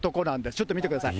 ちょっと見てください。